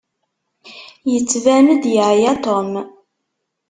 Yettban-d yeɛya Tom.